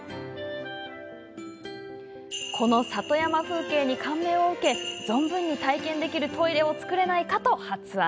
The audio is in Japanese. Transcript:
この里山風景に感銘を受け存分に体験できるトイレを作れないかと発案。